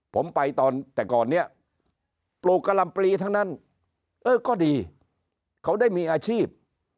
ผมไปตอนแต่ก่อนเนี่ยปลูกกะลำปลีทั้งนั้นเออก็ดีเขาได้มีอาชีพ